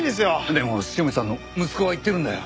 でも塩見さんの息子が言ってるんだよ